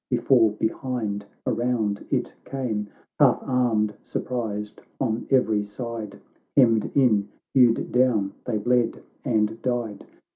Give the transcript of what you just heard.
Before, behind, around it came ! Half armed, surprised, on every side Hemmed in, howed down, they bled and died.